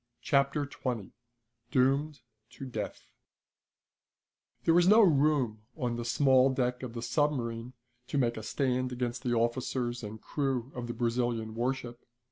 Chapter Twenty Doomed to Death There was no room on the small deck of the submarine to make a stand against the officers and crew of the Brazilian warship.